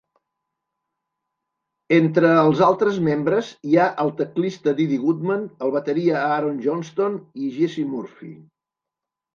Entre els altres membres hi ha el teclista Didi Gutman, el bateria Aaron Johnston i Jesse Murphy.